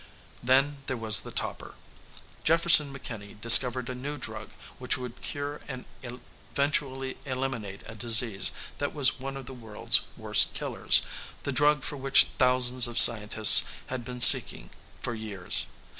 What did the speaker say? Then there was the topper. Jefferson McKinney discovered a new drug which would cure and eventually eliminate a disease that was one of the world's worst killers, the drug for which thousands of scientists had been seeking for years.